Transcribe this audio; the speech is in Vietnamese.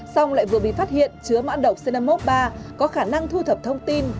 xong lại vừa bị phát hiện chứa mã độc c năm mươi một ba có khả năng thu thập thông tin